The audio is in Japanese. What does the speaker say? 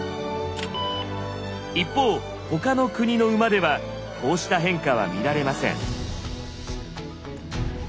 一方他の国の馬ではこうした変化は見られません。